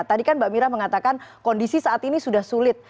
tadi kan mbak mira mengatakan kondisi saat ini sudah sulit